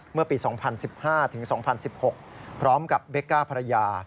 เมื่อปี๒๐๑๕ถึง๒๐๑๖พร้อมกับเบกก้าภรรยา